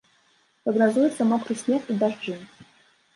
Прагназуюцца мокры снег і дажджы.